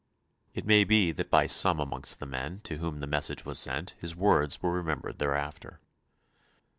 It may be that by some amongst the men to whom the message was sent his words were remembered thereafter.